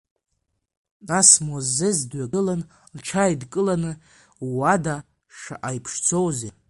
Нас Муаззез дҩагылан лҽааидкыланы ууада шаҟа иԥшӡоузеи.